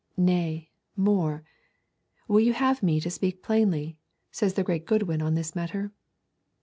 Nay, more: 'Will you have me to speak plainly?' says great Goodwin on this matter.